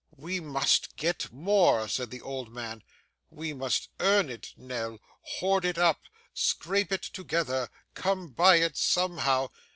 'We must get more,' said the old man, 'we must earn it, Nell, hoard it up, scrape it together, come by it somehow.